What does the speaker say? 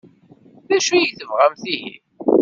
D acu ay tebɣamt ihi?